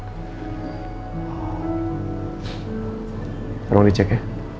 sekarang dicek ya